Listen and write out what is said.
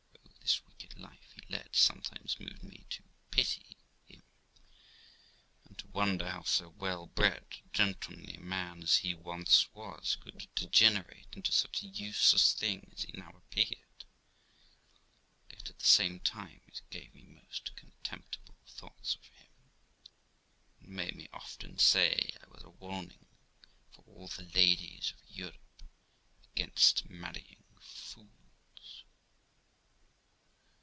Though this wicked life he led sometimes moved me to pity him, and to wonder how so well bred, gentlemanly a man as he once was could degenerate into such a useless thing as he now appeared, yet, at the same time, it gave me most contemptible thoughts of him, and made me often say I was a warning for all the ladies of Europe against marrying of fools.